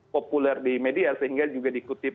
populer di media sehingga juga dikutip